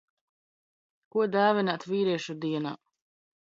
Ko dāvināt vīriešu dienā?